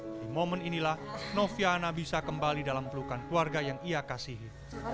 di momen inilah noviana bisa kembali dalam pelukan keluarga yang ia kasihi